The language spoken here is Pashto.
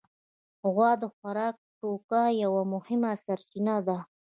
غوا د خوراکي توکو یوه مهمه سرچینه ده.